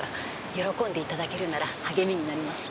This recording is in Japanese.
喜んで頂けるなら励みになります。